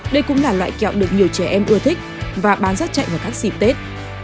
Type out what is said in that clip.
đây cũng là loại kẹo được nhiều trẻ em ưa thích và bán rất chạy vào các dịp tết